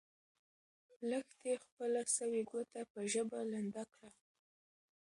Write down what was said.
لښتې خپله سوې ګوته په ژبه لنده کړه.